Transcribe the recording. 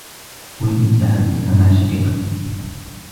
أريد التحدّث مع شقيقتي.